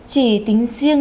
chỉ tính riêng